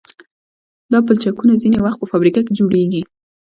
دا پلچکونه ځینې وخت په فابریکه کې جوړیږي